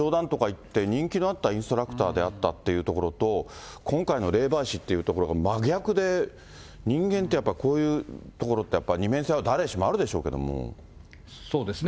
ただ、出口先生、ジムのインストラクターで、冗談とか言って、人気のあったインストラクターであったというところと今回の霊媒師っていうところが真逆で、人間ってやっぱり、こういうところって、二面性って誰しもあるでしょうけそうですね。